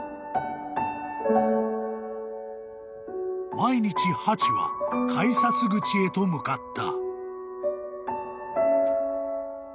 ［毎日ハチは改札口へと向かった］